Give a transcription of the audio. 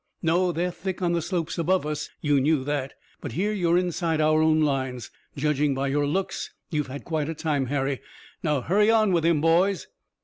"No, they're thick on the slopes above us! You knew that, but here you're inside our own lines. Judging by your looks you've had quite a time, Harry. Now hurry on with him, boys!"